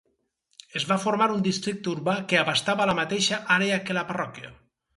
Es va formar un districte urbà que abastava la mateixa àrea que la parròquia.